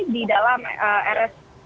di dalam rs